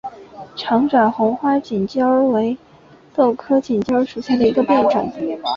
长爪红花锦鸡儿为豆科锦鸡儿属下的一个变种。